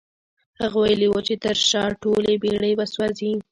هغه ويلي وو چې تر شا ټولې بېړۍ به سوځوي.